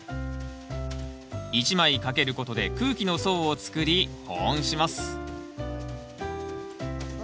１枚かけることで空気の層を作り保温します